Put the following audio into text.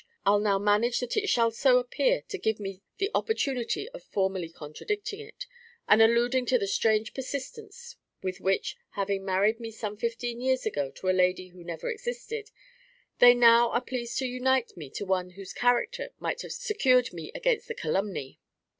I'll now manage that it shall so appear, to give me the opportunity of formally contradicting it, and alluding to the strange persistence with which, having married me some fifteen years ago to a lady who never existed, they now are pleased to unite me to one whose character might have secured me against the calumny.